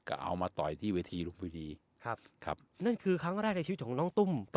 ก็เอามาต่อยที่เวทีลุมพินีครับครับนั่นคือครั้งแรกในชีวิตของน้องตุ้ม